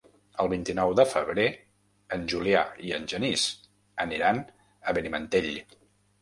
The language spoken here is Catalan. El vint-i-nou de febrer en Julià i en Genís aniran a Benimantell.